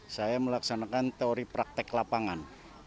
saya melaksanakan teori praktek lapangan